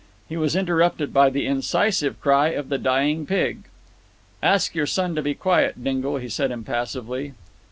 He was interrupted by the incisive cry of the dying pig. "Ask your son to be quiet, Dingle," he said impassively.